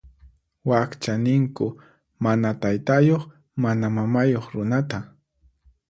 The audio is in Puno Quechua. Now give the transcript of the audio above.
Wakcha ninku mana taytayuq mana mamayuq runata.